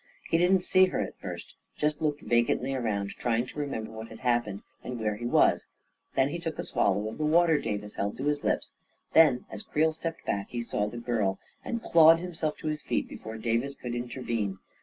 He didn't see her at first — just looked vacantly around trying to remember what had happened and where he was; then he took a swallow of the water Davis held to his lips; then, as Creel stepped back, he saw the girl, and clawed himself to his feet before Davis could intervene.